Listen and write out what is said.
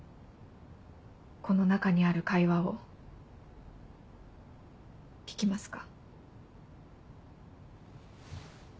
この中にある会話を聞きますか？